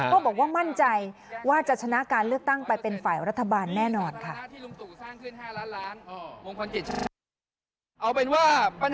ก็บอกว่ามั่นใจว่าจะชนะการเลือกตั้งไปเป็นฝ่ายรัฐบาลแน่นอนค่ะ